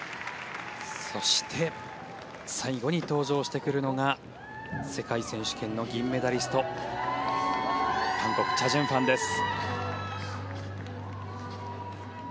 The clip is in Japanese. そして最後に登場してくるのが世界選手権の銀メダリスト韓国、チャ・ジュンファンです。